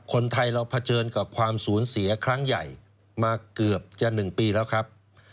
คนไทยเราเผชิญกับความสูญเสียครั้งใหญ่มาเกือบจะ๑ปีแล้วครับ